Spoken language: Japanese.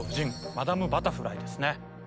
「マダム・バタフライ」ですね。